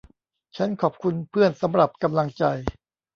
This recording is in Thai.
ฉันขอบคุณเพื่อนสำหรับกำลังใจ